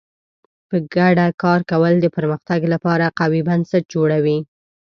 په ګډه کار کول د پرمختګ لپاره قوي بنسټ جوړوي.